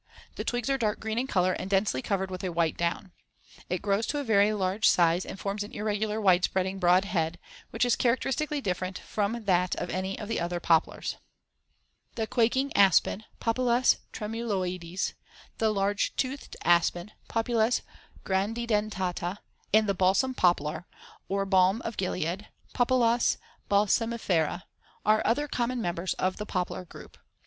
The twigs are dark green in color and densely covered with a white down. It grows to very large size and forms an irregular, wide spreading, broad head, which is characteristically different from that of any of the other poplars. [Illustration: FIG. 43. Bark of the Silver Poplar.] The quaking aspen (Populus tremuloides), the large toothed aspen (Populus grandidentata) and the balsam poplar or balm of Gilead (Populus balsamifera) are other common members of the poplar group.